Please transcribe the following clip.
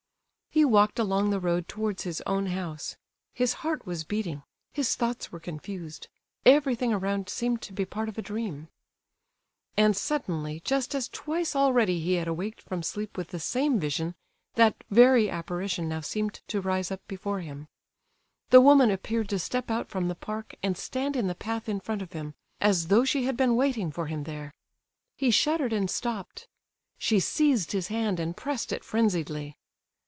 He walked along the road towards his own house. His heart was beating, his thoughts were confused, everything around seemed to be part of a dream. And suddenly, just as twice already he had awaked from sleep with the same vision, that very apparition now seemed to rise up before him. The woman appeared to step out from the park, and stand in the path in front of him, as though she had been waiting for him there. He shuddered and stopped; she seized his hand and pressed it frenziedly.